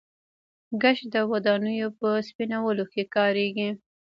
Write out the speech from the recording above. ګچ د ودانیو په سپینولو کې کاریږي.